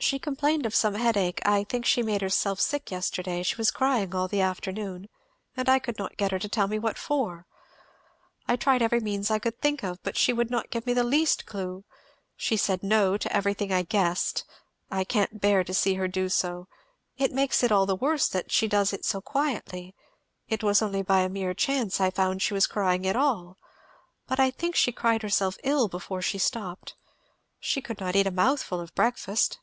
"She complained of some headache I think she made herself sick yesterday she was crying all the afternoon, and I could not get her to tell me what for. I tried every means I could think of, but she would not give me the least clue she said 'no' to everything I guessed I can't bear to see her do so it makes it all the worse she does it so quietly it was only by a mere chance I found she was crying at all, but I think she cried herself ill before she stopped. She could not eat a mouthful of breakfast."